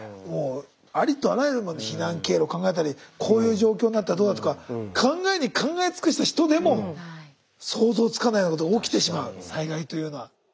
もうありとあらゆる避難経路考えたりこういう状況になったらどうだとか考えに考え尽くした人でも想像つかないようなことが起きてしまう災害というのは。